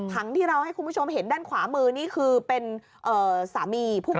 ที่เราให้คุณผู้ชมเห็นด้านขวามือนี่คือเป็นสามีผู้ป่วย